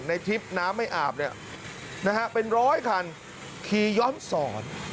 ทริปน้ำไม่อาบเนี่ยนะฮะเป็นร้อยคันขี่ย้อนสอน